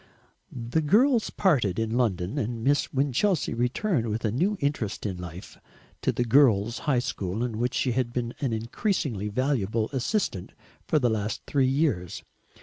The girls parted in London, and Miss Winchelsea returned, with a new interest in life, to the Girls' High School in which she had been an increasingly valuable assistant for the last three years.